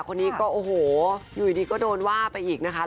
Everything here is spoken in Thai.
คนนี้ก็โอ้โหอยู่ดีก็โดนว่าไปอีกนะคะ